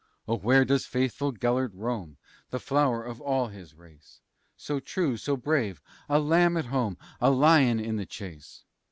"Oh, where does faithful Gelert roam? The flower of all his race! So true, so brave, a lamb at home, A lion in the chase!"